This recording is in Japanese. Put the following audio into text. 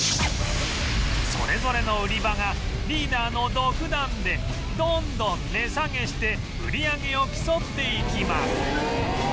それぞれの売り場がリーダーの独断でどんどん値下げして売り上げを競っていきます